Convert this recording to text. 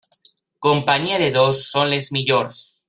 Companyia de dos, són les millors.